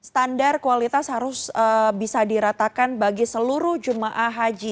standar kualitas harus bisa diratakan bagi seluruh jemaah haji